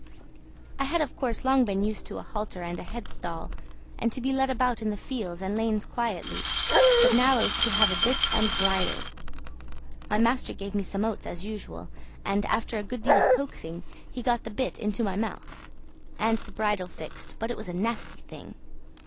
I had of course long been used to a halter and a headstall, and to be led about in the fields and lanes quietly, but now I was to have a bit and bridle; my master gave me some oats as usual, and after a good deal of coaxing he got the bit into my mouth, and the bridle fixed, but it was a nasty thing!